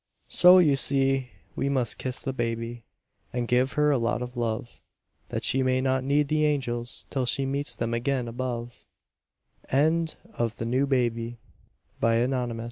So, you see, we must kiss the baby, And give her a lot of love, That she may not need the angels Till she meets them again above. DOLLY'S PROMENADE.